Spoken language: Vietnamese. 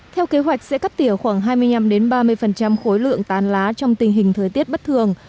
theo kế hoạch sẽ cắt tỉa khoảng hai mươi năm ba mươi khối lượng tán lá trong tình hình thời tiết bất thường